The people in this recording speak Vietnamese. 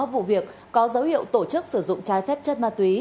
vụ việc có dấu hiệu tổ chức sử dụng trái phép chất ma túy